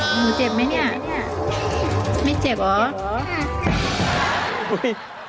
หนูเจ็บไหมเนี่ยไม่เจ็บเหรออุ้ย